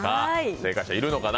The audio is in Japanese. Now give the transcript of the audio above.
正解者いるのかな？